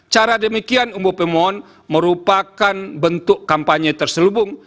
cara demikian umbul pemohon merupakan bentuk kampanye terselubung